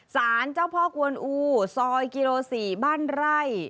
สารเจ้าพ่อกวนอูซอยกิโล๔บ้านไร่